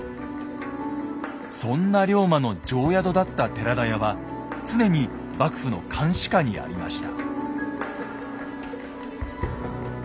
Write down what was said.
そんな龍馬の定宿だった寺田屋は常に幕府の監視下にありました。